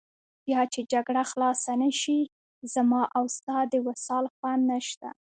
بیا چې جګړه خلاصه نه شي، زما او ستا د وصال خوند نشته.